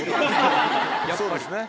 そうですね。